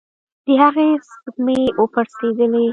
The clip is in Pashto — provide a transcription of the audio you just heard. د هغې سږمې وپړسېدلې.